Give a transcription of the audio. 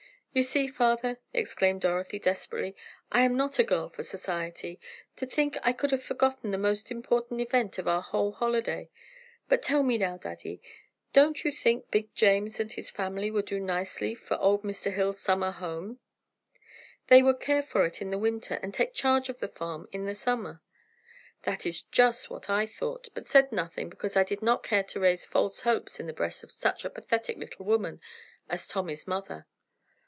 "You see, father," exclaimed Dorothy, desperately, "I am not a girl for society! To think I could have forgotten the most important event of our whole holiday! But tell me now, daddy, don't you think big James and his family would do nicely for old Mr. Hill's Summer home—they could care for it in the Winter, and take charge of the farm in the Summer?" "That is just what I thought, but said nothing, because I did not care to raise false hopes in the breast of such a pathetic little woman as Tommy's mother."